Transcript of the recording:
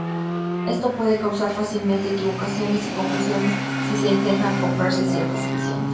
Esto puede causar fácilmente equivocaciones y confusiones si se intentan comparar ciertas ediciones.